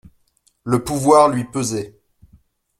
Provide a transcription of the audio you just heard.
Le pouvoir lui pesait.